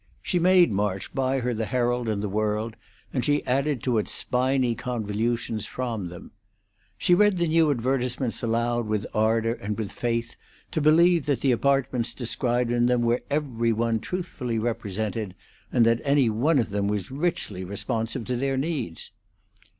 She made March buy her the Herald and the World, and she added to its spiny convolutions from them. She read the new advertisements aloud with ardor and with faith to believe that the apartments described in them were every one truthfully represented, and that any one of them was richly responsive to their needs.